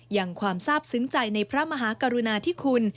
อย่างความทราบซึ้งใจในพระมหากรุณาธิคุณ